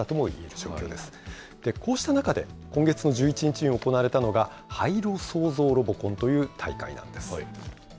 こうした中で、今月の１１日に行われたのが、廃炉創造ロボコンという大会なんです。